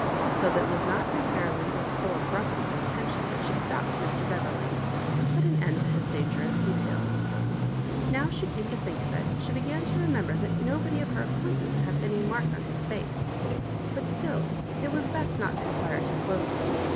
So that it was not entirely with a philanthropical intention that she stopped Mr. Beverley and put an end to bis dangerous detaila Now she came to think of it, she began to remember that nobody of her acquaintance had any mark on his face ; but still it was best not to inquire too closely.